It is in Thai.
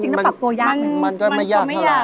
มันยากขนมไม่ยาก